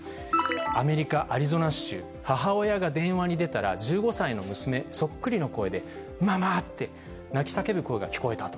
アメリカ・アリゾナ州、母親が電話に出たら、１５歳の娘そっくりの声で、ママ！って、泣き叫ぶ声が聞こえたと。